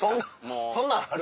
そんなんある？